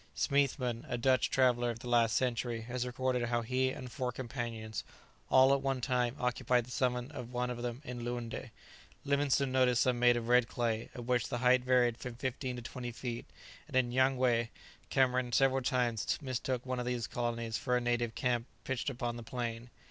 Smeathman, a Dutch traveller of the last century, has recorded how he and four companions all at one time occupied the summit of one of them in Loundé. Livingstone noticed some made of red clay, of which the height varied from fifteen to twenty feet; and in Nyangwé, Cameron several times mistook one of these colonies for a native camp pitched upon the plain.